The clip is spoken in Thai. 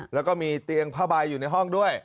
แล้วก็มีเตียงผ้าใบอยู่ในห้องด้วย